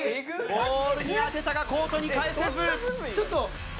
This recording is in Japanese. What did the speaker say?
ボールに当てたがコートに返せず。